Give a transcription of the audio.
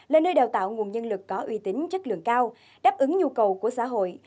là nơi đào tạo nguồn nhân lực có uy tín chất lượng cao đáp ứng nhu cầu của xã hội